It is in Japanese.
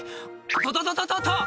「とととととと！」